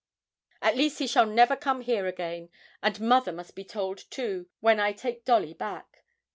At least he shall never come here again, and mother must be told too when I take Dolly back.